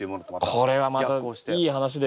これはまたいい話で。